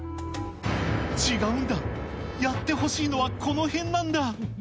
違うんだ、やってほしいのはこの辺なんだ！